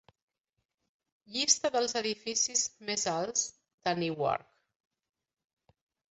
Llista dels edificis més alts de Newark.